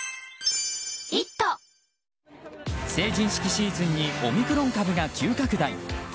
成人式シーズンにオミクロン株が急拡大。